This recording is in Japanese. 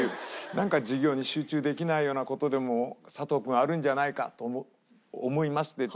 なんか授業に集中できないような事でもサトウくんあるんじゃないかと思いましてって。